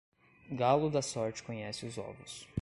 Galo da sorte conhece os ovos.